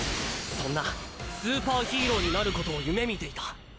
そんなスーパーヒーローになることを夢見ていた。